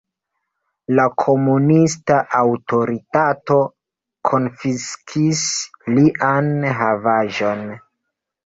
La komunista aŭtoritato konfiskis lian havaĵon.